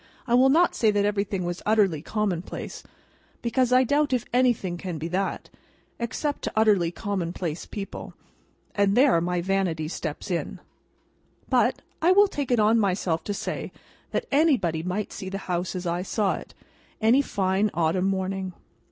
I will not say that everything was utterly commonplace, because I doubt if anything can be that, except to utterly commonplace people—and there my vanity steps in; but, I will take it on myself to say that anybody might see the house as I saw it, any fine autumn morning.